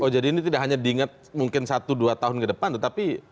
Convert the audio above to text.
oh jadi ini tidak hanya diingat mungkin satu dua tahun ke depan tetapi